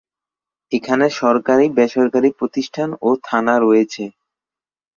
এখানে সরকারী, বেসরকারী প্রতিষ্ঠান ও থানা রয়েছে।